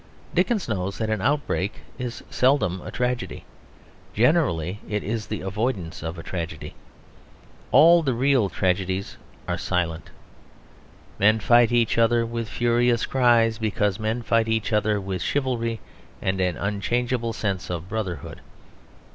Dickens knows that an outbreak is seldom a tragedy; generally it is the avoidance of a tragedy. All the real tragedies are silent. Men fight each other with furious cries, because men fight each other with chivalry and an unchangeable sense of brotherhood.